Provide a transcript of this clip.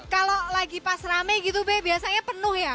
kalau lagi pas rame gitu be biasanya penuh ya